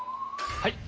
はい。